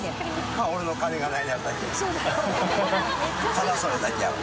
ただそれだけやわ。